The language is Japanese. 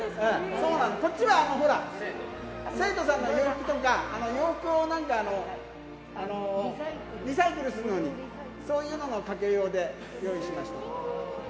そうなの、こっちは生徒さんの洋服とか、洋服をリサイクルするのに、そういうのの掛ける用で用意しました。